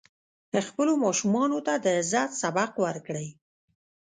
خپلو ماشومانو ته د عزت سبق ورکړئ.